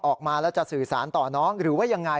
ออกมาแล้วจะสื่อสารต่อน้องหรือว่ายังไง